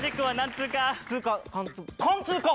つーか貫通か！